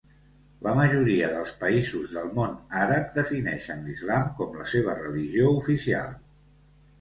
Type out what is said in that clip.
La majoria dels països del món àrab defineixen l'Islam com la seva religió oficial.